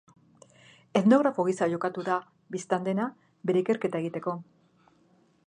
Etnografo gisa jokatu da, bistan dena, bere ikerketa egiteko.